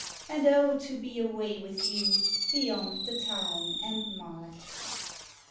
And, oh, to be away with you Beyond the town and mart.